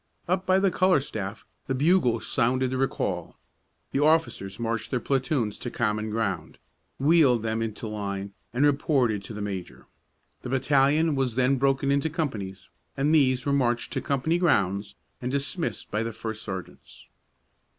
Up by the color staff the bugle sounded the recall. The officers marched their platoons to common ground, wheeled them into line, and reported to the major. The battalion was then broken into companies, and these were marched to company grounds and dismissed by the first sergeants.